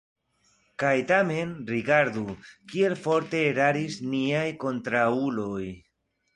Kaj tamen rigardu, kiel forte eraris niaj kontraŭuloj!